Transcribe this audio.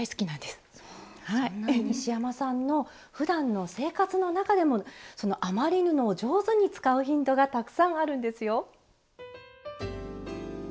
そんな西山さんのふだんの生活の中でもその余り布を上手に使うヒントがたくさんあるんですよ。